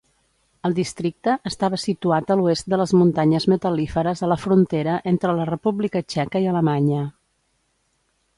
El districte estava situat a l'oest de les muntanyes Metal·líferes a la frontera entre la República Txeca i Alemanya.